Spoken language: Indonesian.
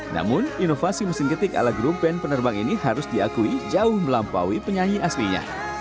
namun inovasi mesin ketik ala grup band penerbang ini harus diakui jauh melampaui penyanyi aslinya